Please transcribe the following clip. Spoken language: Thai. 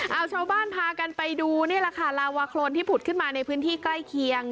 เอาชาวบ้านพากันไปดูนี่แหละค่ะลาวาโครนที่ผุดขึ้นมาในพื้นที่ใกล้เคียง